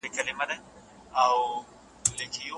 حکومت مخکي لا د سوکالۍ له پاره بوديجه ځانګړې کړې وه.